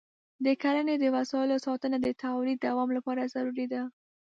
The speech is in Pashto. د کرني د وسایلو ساتنه د تولید دوام لپاره ضروري ده.